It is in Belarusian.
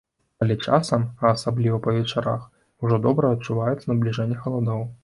Але часам, а асабліва па вечарах ужо добра адчуваецца набліжэнне халадоў.